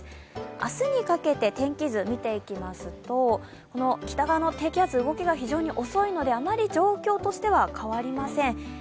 明日にかけて天気図を見ていきますと、北側の低気圧、動きが非常に遅いのであまり状況としては変わりません。